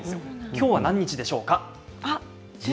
きょうは何日でしょうか？